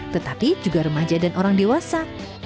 tetapi juga remaja dan orang dewasa